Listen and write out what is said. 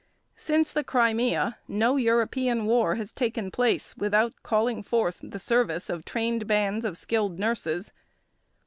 Since the Crimea no European war has taken place without calling forth the service of trained bands of skilled nurses.